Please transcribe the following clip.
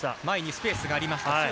前にスペースがありました。